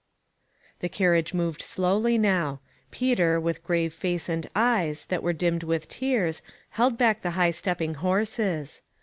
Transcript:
The carriage moved slowly now. Peter, with grave face and eyes, that were dimmed with tears, held back the high stepping horses.